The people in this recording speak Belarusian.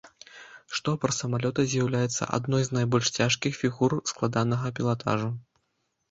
Штопар самалёта з'яўляецца адной з найбольш цяжкіх фігур складанага пілатажу.